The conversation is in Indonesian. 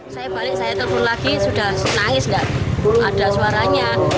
saya balik saya turun lagi sudah nangis nggak ada suaranya